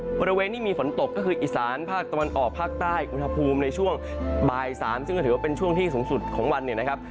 บริเวณที่มีฝนตกก็คืออีสานภาคตะวันออกภาคใต้อุณหภูมิในช่วงบ่าย๓ซึ่งก็ถือว่าเป็นช่วงที่สูงสุดของวันเนี่ยนะครับ